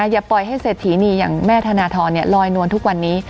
อย่าปล่อยให้เศรษฐีนีอย่างแม่ธนทรลอยนวลทุกวันนี้